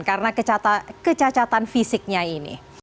karena kecacatan fisiknya ini